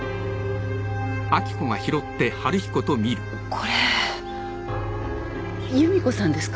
これ夕美子さんですか？